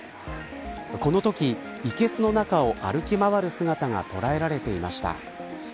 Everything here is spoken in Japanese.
このとき、いけすの中を歩き回る姿が捉えられていました。